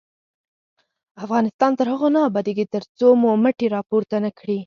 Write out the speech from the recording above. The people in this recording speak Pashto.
افغانستان تر هغو نه ابادیږي، ترڅو مو مټې راپورته نه کړي.